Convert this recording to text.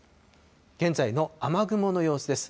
現在の雨雲の様子です。